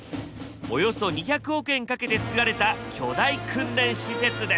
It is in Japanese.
およそ２００億円かけて造られた巨大訓練施設です。